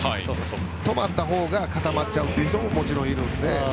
止まった方が固まっちゃう人ももちろんいるので。